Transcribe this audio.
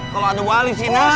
kalau ada wali sinar